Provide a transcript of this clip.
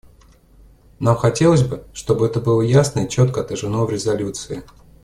Нам хотелось бы, чтобы это было ясно и четко отражено в резолюции.